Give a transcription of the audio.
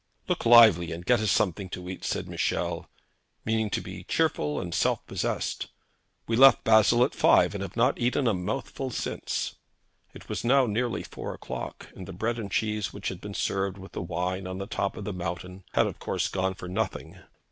'Look lively, and get us something to eat,' said Michel, meaning to be cheerful and self possessed. 'We left Basle at five, and have not eaten a mouthful since.' It was now nearly four o'clock, and the bread and cheese which had been served with the wine on the top of the mountain had of course gone for nothing.